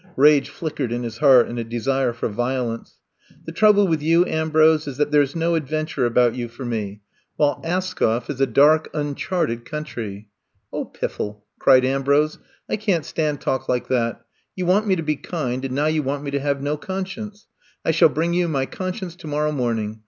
Rage flickered in his heart, and a desire for violence. The trouble with you, Ambrose, is that there 's no adventure about you for me, I'VE COME TO STAY 116 while Askoflf is a dark uncharted country/* 0h, piffle!'' cried Ambrose. I can't stand talk like that. You want me to be kind, and now you want me to have no con science. I shall bring you my conscience tomorrow morning.